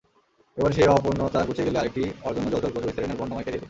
এবার সেই অপূর্ণতা ঘুচে গেলে আরেকটি অর্জনও জ্বলজ্বল করবে সেরেনার বর্ণময় ক্যারিয়ারে।